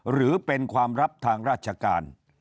หรือเป็นความลับทางราชการ